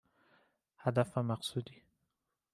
هدف و مقصدی